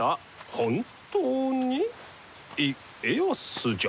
本当に家康じゃ。